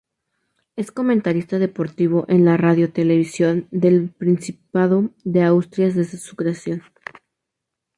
Es comentarista deportivo en la Radiotelevisión del Principado de Asturias desde su creación.